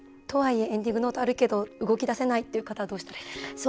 エンディングノートあるけど、動き出せない方はどうしたらいいですか？